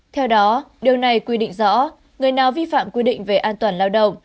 theo đó điều này quyết định rõ người nào vi phạm quyết định về an toàn lao động